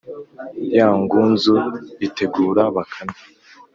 ya ngunzu itegura bakame.